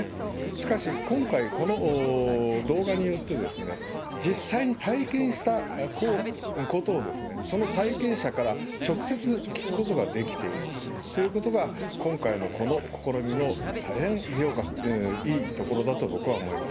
しかし今回、この動画によって、実際に体験したことを、その体験者から直接聞くことができているということが、今回のこの試みの大変いいところだと、僕は思います。